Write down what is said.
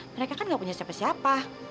mereka kan gak punya siapa siapa